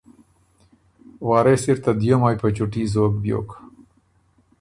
وارث اِر ته دیو مایٛ په چُوټي زوک بیوک